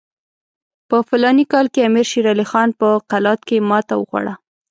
په فلاني کال کې امیر شېر علي خان په قلات کې ماته وخوړه.